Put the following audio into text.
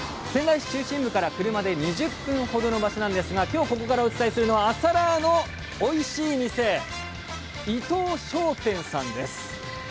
仙台市中心部から車で２０分ほどの場所なんですが今日ここからお伝えするのは朝ラーのおいしい店伊藤商店さんです。